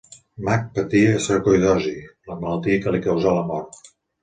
Mac patia sarcoïdosi, la malaltia que li causà la mort.